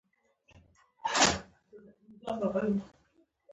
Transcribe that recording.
د کابل په میربچه کوټ کې څه شی شته؟